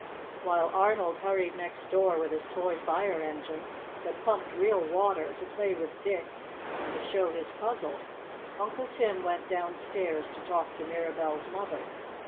While Arnold hurried next door with his toy fire engine, that pumped real water, to play with Dick and to show his puzzle, Uncle Tim went downstairs to talk to Mirabell's mother.